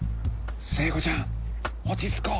聖子ちゃん落ち着こう。